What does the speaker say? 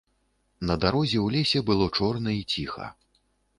На дарозе ў лесе было чорна і ціха.